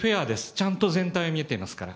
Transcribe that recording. ちゃんと全体見ていますから。